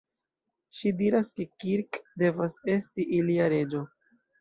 Ŝi diras, ke Kirk devas esti ilia "reĝo".